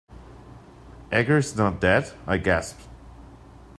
Edgar is not dead?’ I gasped.